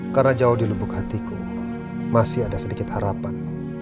karena jauh di lubuk hatiku masih ada sedikit harapan